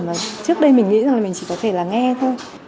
mà trước đây mình nghĩ rằng là mình chỉ có thể là nghe thôi